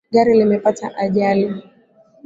Gari limepata ajali.